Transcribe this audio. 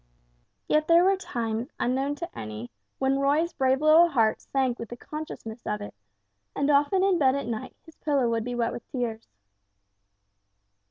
Yet there were times unknown to any, when Roy's brave little heart sank with the consciousness of it; and often in bed at night his pillow would be wet with tears.